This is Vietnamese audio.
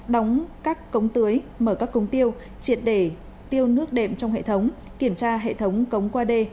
đóng các cống tưới mở các cống tiêu triệt để tiêu nước đệm trong hệ thống kiểm tra hệ thống cống qua đê